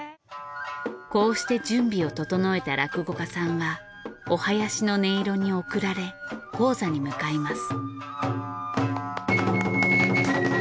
こうして準備を整えた落語家さんはお囃子の音色に送られ高座に向かいます。